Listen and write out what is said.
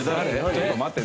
ちょっと待って。